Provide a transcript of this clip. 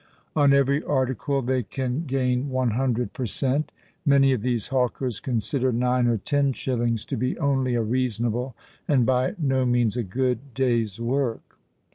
On every article they can gain one hundred per cent. Many of these hawkers consider nine or ten shillings to be only a reasonable, and by no means a good, day's work.